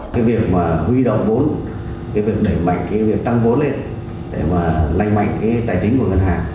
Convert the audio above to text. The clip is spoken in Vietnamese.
cái việc mà huy động vốn cái việc đẩy mạnh cái việc tăng vốn lên để mà lanh mạnh cái tài chính của ngân hàng